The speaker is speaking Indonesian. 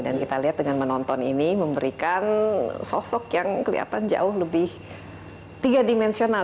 dan kita lihat dengan menonton ini memberikan sosok yang kelihatan jauh lebih tiga dimensional